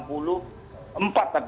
tinggal nambah tiga saja